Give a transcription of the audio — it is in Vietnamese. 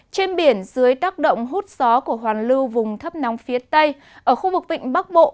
trên biển dưới tác động hút gió của hoàn lưu vùng thấp nóng phía tây ở khu vực vịnh bắc bộ